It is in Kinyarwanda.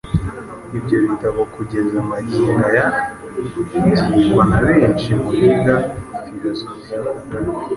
Ibyo bitabo kugeza magingo aya byigwa na benshi mu biga filosofiya.